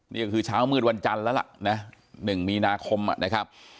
นี่ก็คือเช้ามืดวันจันทร์แล้วล่ะนะ๑มีนาคมนะครับ